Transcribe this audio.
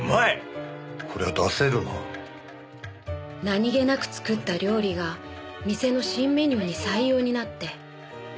何気なく作った料理が店の新メニューに採用になって。